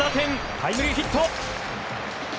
タイムリーヒット！